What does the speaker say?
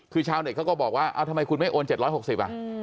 คือชาวเน็ตเขาก็บอกว่าทำไมคุณไม่โอน๗๖๐อ่ะ